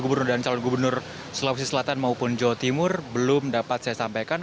gubernur dan calon gubernur sulawesi selatan maupun jawa timur belum dapat saya sampaikan